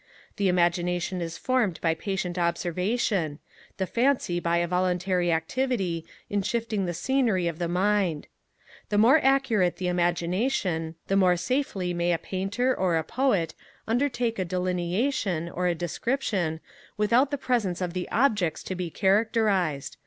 The imagination is formed by patient observation; the fancy by a voluntary activity in shifting the scenery of the mind. The more accurate the imagination, the more safely may a painter, or a poet, undertake a delineation, or a description, without the presence of the objects to be characterized.